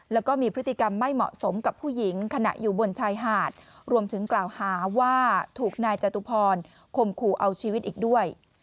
แล้วก็มีพฤติกรรมไม่เหมาะสมกับผู้หญิงขณะอยู่บนชายหาดรวมถึงกล่าวหาว่าถูกนายจตุพรคมขู่เอาชีวิตอีกด้วย